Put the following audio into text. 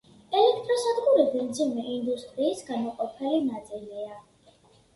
ელექტროსადგურები მძიმე ინდუსტრიის განუყოფელი ნაწილია.